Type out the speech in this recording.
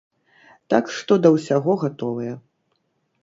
Так што да ўсяго гатовыя.